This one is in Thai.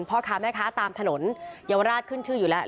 พ่อค้าแม่ค้าตามถนนเยาวราชขึ้นชื่ออยู่แล้ว